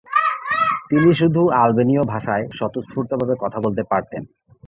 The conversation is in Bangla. তিনি শুধু আলবেনীয় ভাষায় স্বতঃস্ফূর্তভাবে কথা বলতে পারতেন।